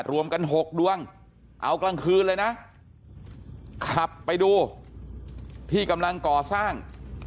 รวมกัน๖ดวงเอากลางคืนเลยนะขับไปดูที่กำลังก่อสร้าง